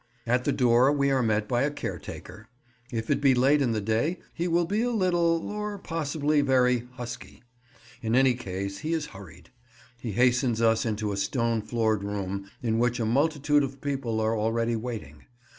At the door we are met by a caretaker. If it be late in the day he will be a little, or possibly very, husky. In any case he is hurried. He hastens us into a stone floored room in which a multitude of people are already waiting.